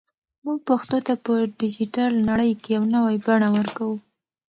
موږ پښتو ته په ډیجیټل نړۍ کې یو نوی بڼه ورکوو.